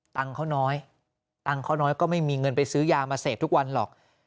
ตังค์เขาน้อยก็ไม่มีเงินไปซื้อยามาเสพทุกวันหรอก